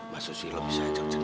mas susilo bisa ajak ajak